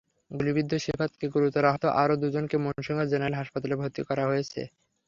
গুলিবিদ্ধ সিফাতসহ গুরুতর আহত আরও দুজনকে মুন্সিগঞ্জ জেনারেল হাসপাতালে ভর্তি করা হয়েছে।